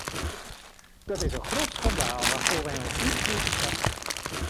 Dat is een grof schandaal waarvoor wij ons diep moeten schamen.